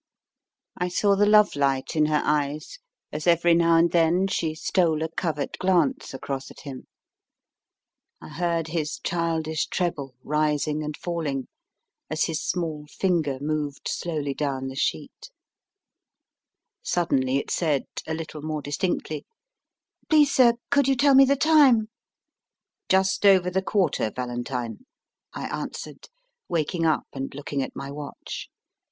I saw the love light in her eyes as every now and then she stole a covert glance across at him, I heard his childish treble rising and falling, as his small finger moved slowly down the sheet. xvi MY FIRST BOOK Suddenly it said, a little more distinctly : 1 Please, sir, could you tell me the time ? Just over the quarter, Valentine, I answered, waking up and looking at my watch.